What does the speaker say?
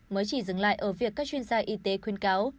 mới chỉ dừng lại ở việc các chuyên gia y tế khuyên cáo